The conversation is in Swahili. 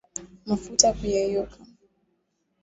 Mafuta kuyeyuka